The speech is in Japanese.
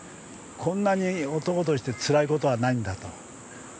こんなに男としてつらいことはないんだと。